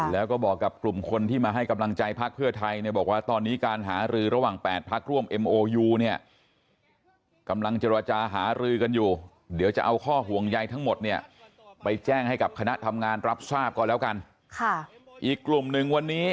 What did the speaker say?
แล้วตายมัดแล้วตายไปเน่าเสีย